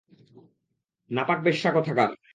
নাপাক বেশ্যা কোথাকার!